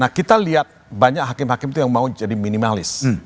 nah kita lihat banyak hakim hakim itu yang mau jadi minimalis